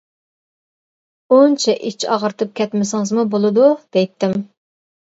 ئۇنچە ئىچ ئاغرىتىپ كەتمىسىڭىزمۇ بولىدۇ دەيتتىم.